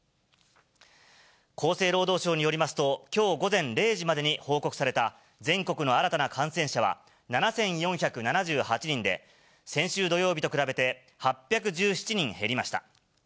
厚生労働省によりますと、きょう午前０時までに報告された全国の新たな感染者は７４７８人で、先週土曜日と比べて８１７人減りました。